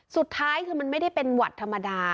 สุดท้ายคือมันไม่ได้เป็นหวัดธรรมดา